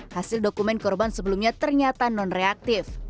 hasil dokumen korban sebelumnya ternyata non reaktif